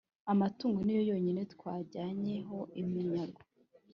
amatungo ni yo yonyine twajyanye ho iminyago,